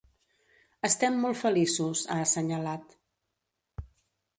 Estem molt feliços, ha assenyalat.